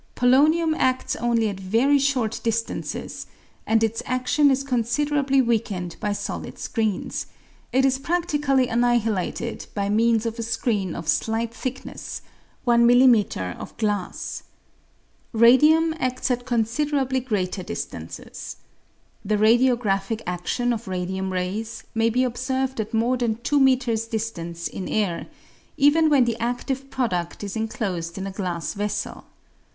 Polonium ads only at very short distances, and its adion is considerably weakened by solid screens ; it is pradically annihilated by means of a screen of slight thick ness (I m.m. of glass). Radium ads at considerably greater distances. The radiographic adion of radium rajs may be observed at more than 2 m. distance in air, even when the adive produd is enclosed in a glass vessel.